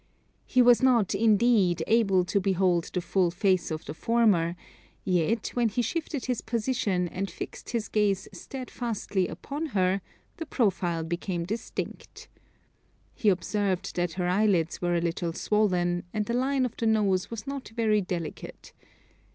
He was not, indeed, able to behold the full face of the former; yet, when he shifted his position, and fixed his gaze steadfastly upon her, the profile became distinct. He observed that her eyelids were a little swollen, and the line of the nose was not very delicate.